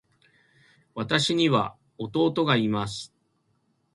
私には弟がいます。